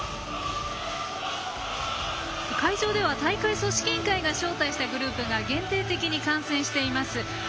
会場では大会組織委員会が招待したグループが限定的に観戦しています。